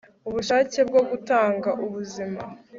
ubushake bwo gutanga ubuzima